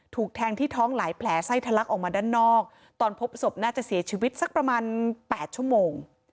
ถูกแทงที่ท้องหลายแผลไส้ทะลักออกมาด้านนอกตอนพบศพน่าจะเสียชีวิตสักประมาณ๘ชั่วโมง